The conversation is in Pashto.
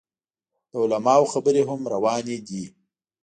د علماو خبرې هم روانې دي.